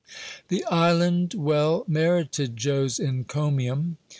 The island well merited Joe's encomium.